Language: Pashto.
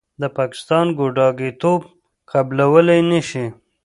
د پاکستان ګوډاګیتوب قبلولې نشي.